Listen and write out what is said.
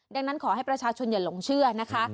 ดังนั้นขอให้ประชาชนอย่าหลงเชื่อนะคะ